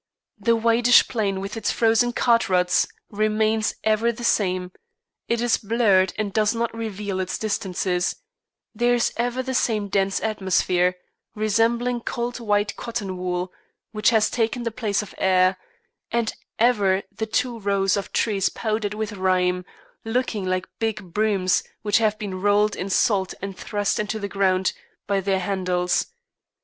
The whitish plain with its frozen cart ruts remains ever the same; it is blurred and does not reveal its distances; there is ever the same dense atmosphere, resembling cold white cotton wool, which has taken the place of air, and ever the two rows of trees powdered with rime, looking like big brooms which have been rolled in salt and thrust into the ground by their handles.